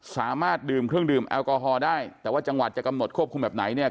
สามารถดื่มเครื่องดื่มแอลกอฮอล์ได้แต่ว่าจังหวัดจะกำหนดควบคุมแบบไหนเนี่ย